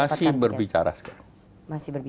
masih berbicara sekarang